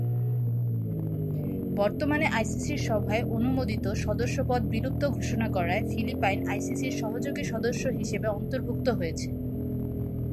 বর্তমানে, আইসিসির সভায় অনুমোদিত সদস্যপদ বিলুপ্ত ঘোষণা করায় ফিলিপাইন আইসিসির সহযোগী সদস্য হিসেবে অন্তর্ভুক্ত হয়েছে।